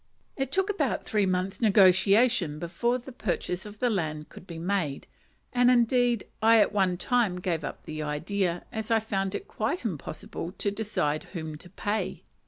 It took about three months' negotiation before the purchase of the land could be made; and, indeed, I at one time gave up the idea, as I found it quite impossible to decide whom to pay.